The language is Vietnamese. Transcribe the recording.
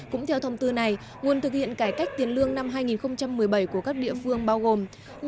cũng theo thông tư này nguồn thực hiện cải cách tiền lương năm hai nghìn một mươi bảy của các địa phương bao gồm